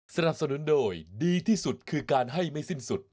สนับสนุนโดยดีที่สุดคือการให้ไม่สิ้นสุด